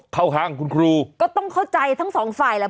ห้างคุณครูก็ต้องเข้าใจทั้งสองฝ่ายแหละ